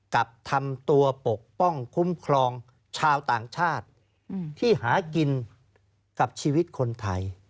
กับทำตัวปกป้องคุ้มครองชาวต่างชาติที่หากินกับชีวิตคนไทย